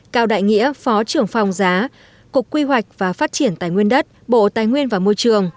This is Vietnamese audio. cao đại nghĩa phó trưởng phòng giá cục quy hoạch và phát triển tài nguyên đất bộ tài nguyên và môi trường